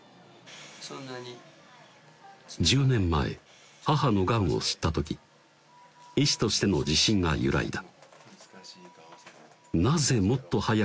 そんなに１０年前母のがんを知った時医師としての自信が揺らいだ